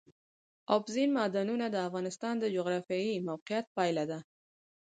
اوبزین معدنونه د افغانستان د جغرافیایي موقیعت پایله ده.